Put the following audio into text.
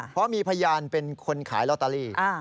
เพราะมีพยานเป็นคนขายลอตเตอรี่